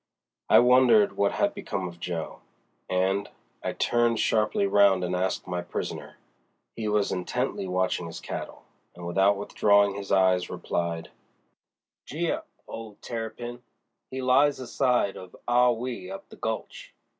I wondered what had become of Jo., and—I turned sharply round and asked my prisoner. He was intently watching his cattle, and without withdrawing his eyes replied: "Gee up, old Terrapin! He lies aside of Ah Wee up the gulch.